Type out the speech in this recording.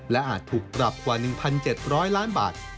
และอาจถูกปรับกว่า๑๗๐๐ล้านบาท